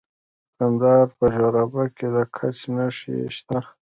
د کندهار په شورابک کې د ګچ نښې شته.